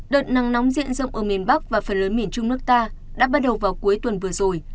đợt nắng nóng diện rộng ở miền bắc và phần lớn miền trung nước ta đã bắt đầu vào cuối tuần vừa rồi